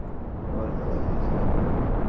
আমার বল আমাকে ফিরিয়ে দাও।